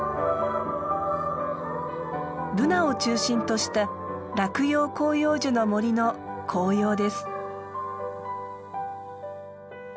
ブナを中心とした落葉広葉樹の森の紅葉です。